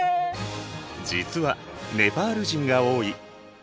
実はネパール人が多い。